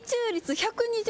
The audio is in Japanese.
１２０？